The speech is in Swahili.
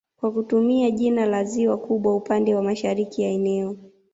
kwa kutumia jina la ziwa kubwa upande wa mashariki ya eneo